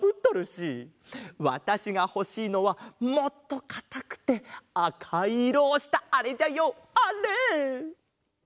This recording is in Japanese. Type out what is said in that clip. わたしがほしいのはもっとかたくてあかいいろをしたあれじゃよあれ！